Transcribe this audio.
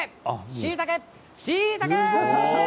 しいたけ、しいたけ！